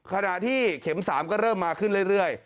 ขณะที่เข็ม๓ก็เริ่มมาขึ้นเรื่อย